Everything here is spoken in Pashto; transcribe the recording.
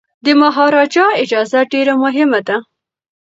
د مهاراجا اجازه ډیره مهمه ده.